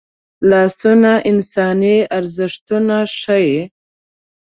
لاسونه انساني ارزښتونه ښيي